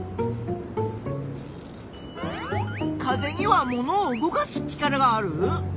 風にはものを動かす力がある？